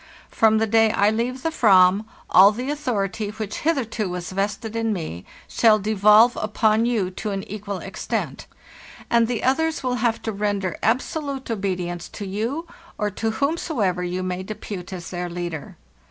From the day I leave the "vam, all the authority which hitherto was vested in me shall devolve upon you to an equal extent, and the others will have to render absolute obedience to you, or to whomsoever you may depute as their leader.